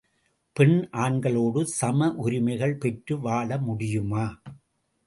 பெண் ஆண்களோடு சம உரிமைகள் பெற்று வாழ முடியுமா?